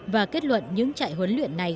và kết luận những trại huấn luyện này